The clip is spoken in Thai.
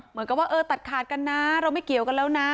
เหมือนกับว่าเออตัดขาดกันนะเราไม่เกี่ยวกันแล้วนะ